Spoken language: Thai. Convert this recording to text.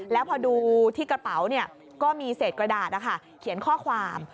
แล้วพอดูที่กระเป๋าก็มีเศษกระดาษเขียนข้อความ